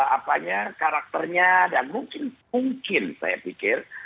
apanya karakternya dan mungkin mungkin saya pikir